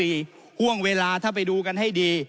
ห่วงเวลาถ้าไปดูกันให้ดี